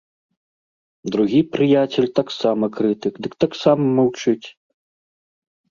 Другі прыяцель таксама крытык, дык таксама маўчыць.